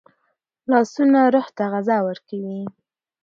لاسونه روح ته غذا ورکوي